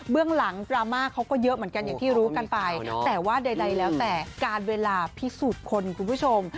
เรื่องหลังดราม่าเขาก็เยอะเหมือนกันอย่างที่รู้กันไปแต่ว่าใดแล้วแต่การเวลาพิสูจน์คนคุณผู้ชม